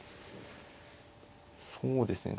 そうですね。